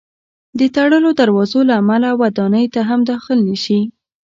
د تړلو دروازو له امله ودانۍ ته هم داخل نه شي.